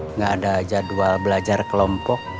nggak ada jadwal belajar kelompok